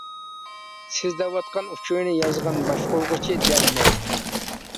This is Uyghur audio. سىز دەۋاتقان ئۇچۇرنى يازغان باشقۇرغۇچى دەل مەن.